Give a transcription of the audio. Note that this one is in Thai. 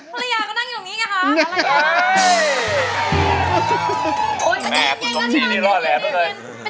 พรรยาก็นั่งอยู่ตรงนี้อะไรไร